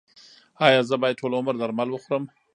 ایا زه باید ټول عمر درمل وخورم؟